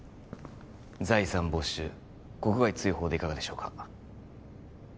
財産没収国外追放でいかがでしょうか？